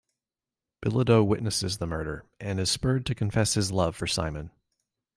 Bilodeau witnesses the murder, and is spurred to confess his love for Simon.